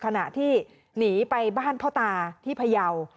ขณะที่หนีไปบ้านพ่อตาที่พยาว